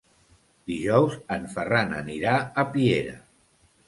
Dijous en Ferran anirà a Piera.